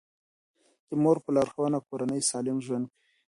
د مور په لارښوونه کورنۍ سالم ژوند کوي.